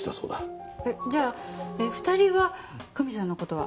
えっじゃあ２人は久美さんの事は？